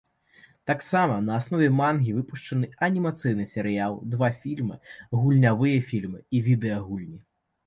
Таксама на аснове мангі выпушчаны анімацыйны серыял, два фільмы, гульнявыя фільмы і відэагульні.